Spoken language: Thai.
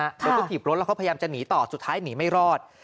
เดี๋ยวเขาถีบรถแล้วเขาพยายามจะหนีต่อสุดท้ายหนีไม่รอด